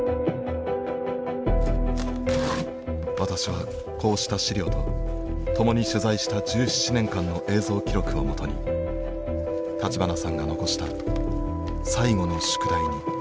私はこうした資料と共に取材した１７年間の映像記録をもとに立花さんが残した最後の宿題に挑むことにしました。